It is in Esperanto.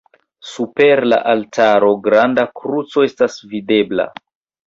Super la altaro granda kruco estas videbla.